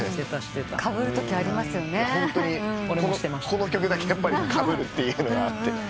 この曲だけかぶるっていうのがあって。